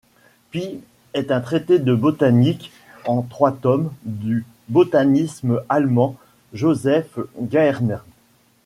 Pl., est un traité de botanique en trois tomes du botaniste allemand, Joseph Gaertner.